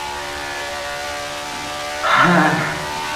瘤枝杜鹃为杜鹃花科杜鹃属下的一个种。